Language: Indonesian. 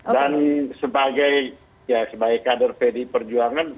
dan sebagai kader vd perjuangan